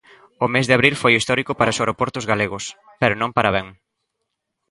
O mes de abril foi histórico para os aeroportos galegos, pero non para ben.